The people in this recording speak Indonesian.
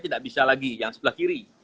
tidak bisa lagi yang sebelah kiri